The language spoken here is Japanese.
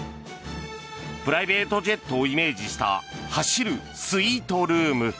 プライベートジェットをイメージした走るスイートルーム。